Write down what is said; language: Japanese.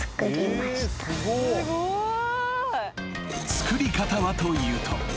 ［作り方はというと］